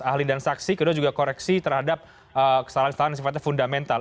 ahli dan saksi kedua juga koreksi terhadap kesalahan kesalahan yang sifatnya fundamental